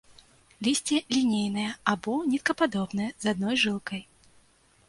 Лісце лінейнае або ніткападобнае з адной жылкай.